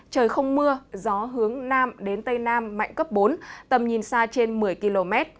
trời không mưa gió hướng nam đến tây nam mạnh cấp bốn tầm nhìn xa trên một mươi km